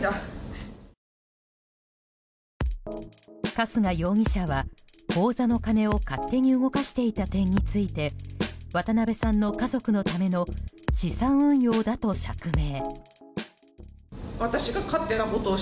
春日容疑者は口座の金を勝手に動かしていた点について渡辺さんの家族のための資産運用だと釈明。